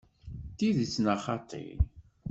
D tidet neɣ xaṭi?